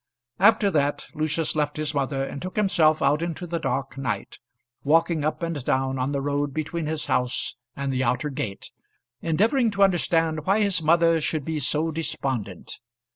After that Lucius left his mother, and took himself out into the dark night, walking up and down on the road between his house and the outer gate, endeavouring to understand why his mother should be so despondent.